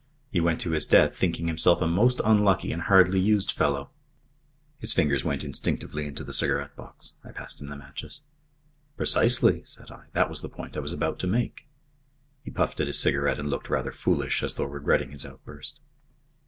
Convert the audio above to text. He went to his death thinking himself a most unlucky and hardly used fellow." His fingers went instinctively into the cigarette box. I passed him the matches. "Precisely," said I. "That was the point I was about to make." He puffed at his cigarette and looked rather foolish, as though regretting his outburst.